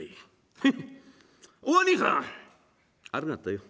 ヘヘッおあにいさんありがとよ。